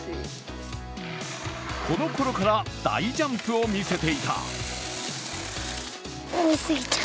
この頃から大ジャンプを見せていた。